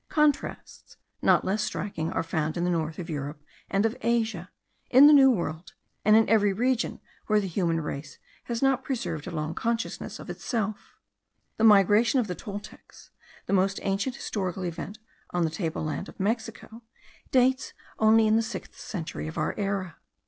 Contrasts not less striking are found in the north of Europe and of Asia, in the New World, and in every region where the human race has not preserved a long consciousness of itself. The migration of the Toltecs, the most ancient historical event on the tableland of Mexico, dates only in the sixth century of our era.